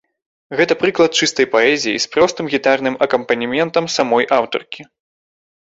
Гэта прыклад чыстай паэзіі з простым гітарным акампанементам самой аўтаркі.